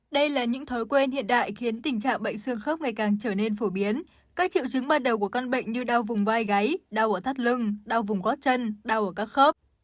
đây là những thói quen hiện đại khiến tình trạng bệnh xương khớp ngày càng trở nên phổ biến các triệu chứng ban đầu của căn bệnh như đau vùng vai đau ở thắt lưng đau vùng gót chân đau ở các khớp